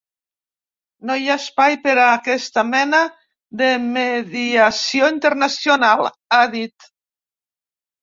No hi ha espai per a aquesta mena de mediació internacional, ha dit.